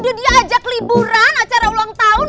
udah diajak liburan acara ulang tahun